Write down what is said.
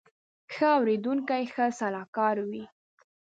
ښه اورېدونکی ښه سلاکار وي